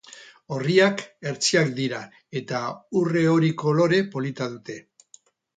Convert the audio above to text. Orriak hertsiak dira eta urre-hori kolore polita dute.